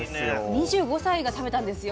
２５歳が食べたんですよ。